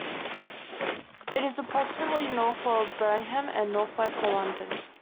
It is approximately north of Birmingham and north-west of London.